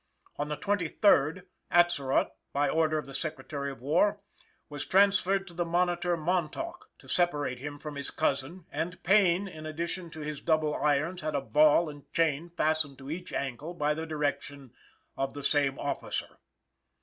On the 23d, Atzerodt, by order of the Secretary of War, was transferred to the Monitor Montauk, to separate him from his cousin, and Payne, in addition to his double irons, had a ball and chain fastened to each ankle by the direction of the same officer.